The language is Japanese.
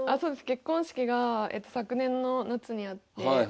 結婚式が昨年の夏にあって。